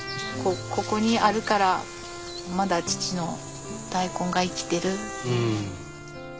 ここにあるからまだ父の大根が生きてる。